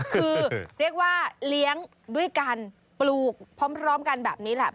คือเรียกว่าเลี้ยงด้วยกันปลูกพร้อมกันแบบนี้แหละ